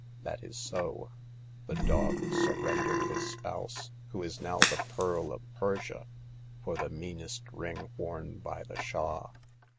'* That is so. The dog surrendered his spouse, who is now the Pearl of Persia, for the meanest ring worn by the Shah.